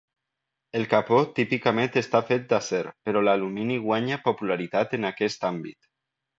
El capó típicament està fet d'acer, però l'alumini guanya popularitat en aquest àmbit.